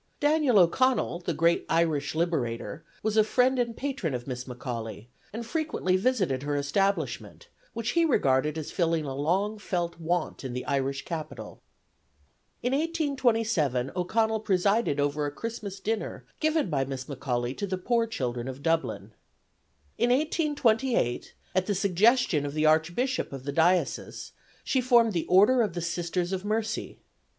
Daniel O'Connell, the great Irish liberator, was a friend and patron of Miss McAuley, and frequently visited her establishment, which he regarded as filling a long felt want in the Irish capital. In 1827 O'Connell presided over a Christmas dinner given by Miss McAuley to the poor children of Dublin. In 1828, at the suggestion of the Archbishop of the Diocese, she formed the Order of the Sisters of Mercy.